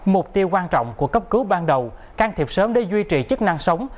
mục tiêu quan trọng của cấp cứu ban đầu can thiệp sớm để duy trì chức năng sống